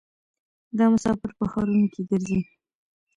دا مسافر په ښارونو کې ګرځي.